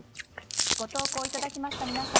ご投稿いただきました皆さん